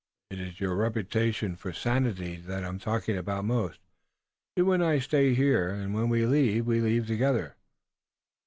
It's your reputation for sanity that I'm thinking about most. You and I stay here together, and when we leave we leave together."